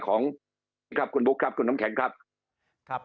กรุงบุฒิครับกรุณน้ำแข็งครับ